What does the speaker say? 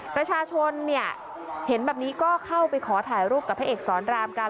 ประชาชนเนี่ยเห็นแบบนี้ก็เข้าไปขอถ่ายรูปกับพระเอกสอนรามกัน